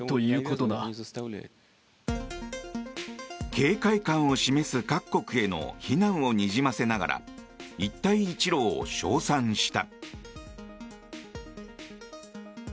警戒感を示す各国への非難をにじませながら一帯一路を称賛した。